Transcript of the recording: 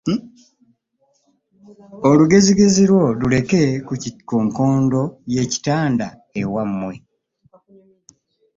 Olugezigezi lwo luleke ku nkondo y'ekitanda ewammwe